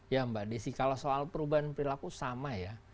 ya mbak desi kalau soal perubahan perilaku sama ya